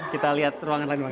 kita lihat ruangan lain pak